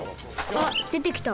あっでてきた。